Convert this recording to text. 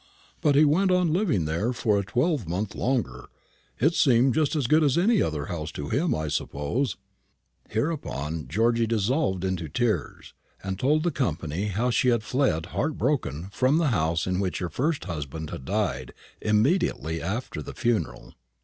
But he went on living there for a twelvemonth longer. It seemed just as good as any other house to him, I suppose." Hereupon Georgy dissolved into tears, and told the company how she had fled, heartbroken, from the house in which her first husband had died, immediately after the funeral.